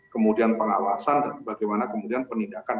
kemudian pengawasan dan bagaimana kemudian penindakan